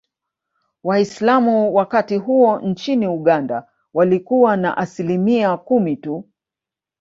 Waislamu wakati huo nchini Uganda walikuwa na Asilimia kumi tu